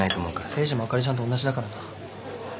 誠治もあかりちゃんと同じだからな。